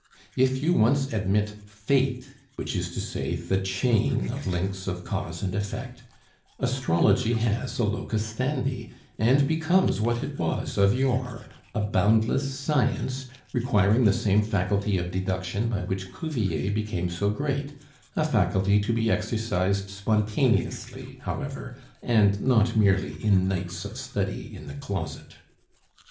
If you once admit fate, which is to say, the chain of links of cause and effect, astrology has a locus standi, and becomes what it was of yore, a boundless science, requiring the same faculty of deduction by which Cuvier became so great, a faculty to be exercised spontaneously, however, and not merely in nights of study in the closet.